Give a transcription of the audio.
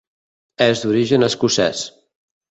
És d'origen escocès.